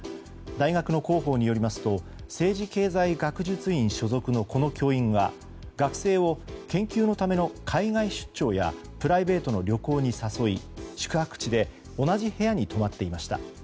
大学の広報によりますと政治経済学術院所属のこの教員は学生を研究のための海外出張やプライベートの旅行に誘い宿泊地で同じ部屋に泊まっていました。